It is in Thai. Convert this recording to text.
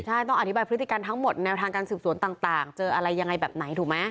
ใช่ต้องอธิบายพฤติกรรมทั้งหมดแนวทางการสืบสวนต่างเจออะไรยังไงแบบไหนถูกไหม